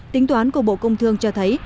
tính toán của bộ công thương cho thấy